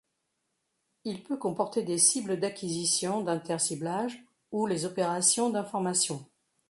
Il peut comporter des cibles d'acquisition d'inter-ciblage ou les opérations d'information.